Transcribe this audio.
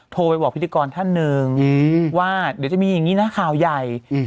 โทรไปบอกพิธีกรท่านหนึ่งว่าเดี๋ยวจะมีอย่างนี้นะข่าวใหญ่